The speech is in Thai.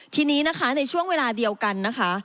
ทีนี้นะคะในช่วงเวลาเดียวกันนะคะ